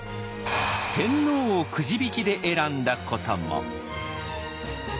天皇をくじ引きで選んだことも。